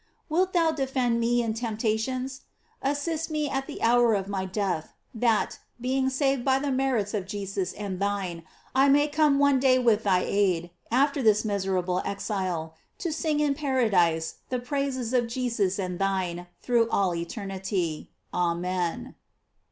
Wilt thou defend me in temptations? Assist me at the hour of my death, that, being saved by the merits of Jesus and thine, I may come one day with thy aid, after this miserable exile, to sing in paradise the praises of Jesus and thine through all eter nity. Amen.